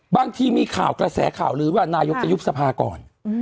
บางทีมีข่าวกระแสข่าวลื้อว่านายกจะยุบสภาก่อน